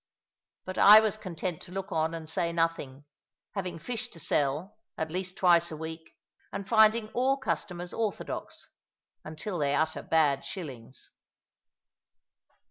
But I was content to look on and say nothing, having fish to sell, at least twice a week, and finding all customers orthodox, until they utter bad shillings.